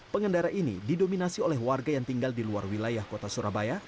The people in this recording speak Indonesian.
pengendara ini didominasi oleh warga yang tinggal di luar wilayah kota surabaya